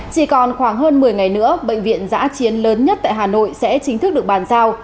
chỉ còn khoảng hơn một mươi ngày nữa bệnh viện giã chiến lớn nhất tại hà nội sẽ chính thức được bàn giao